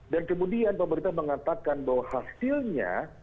dan kemudian pemerintah mengatakan bahwa hasilnya